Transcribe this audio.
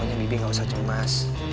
pokoknya bibi gak usah cemas